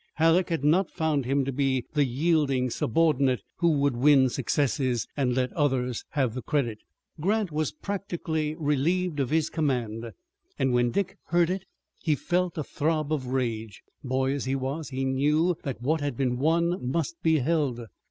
Halleck had not found him to be the yielding subordinate who would win successes and let others have the credit. Grant was practically relieved of his command, and when Dick heard it he felt a throb of rage. Boy as he was, he knew that what had been won must be held.